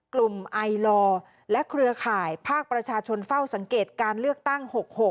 กลุ่มไอลอร์และเครือข่ายภาคประชาชนเฝ้าสังเกตการเลือกตั้ง๖๖